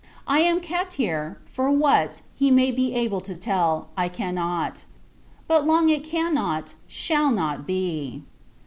I am kept here; for what, he may be able to tell, I cannot: but long it cannot, shall not, be.